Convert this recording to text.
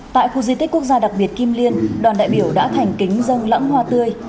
tại khu di tích quốc gia đặc biệt kim liên đoàn đại biểu đã thành kính dâng lãng hoa tươi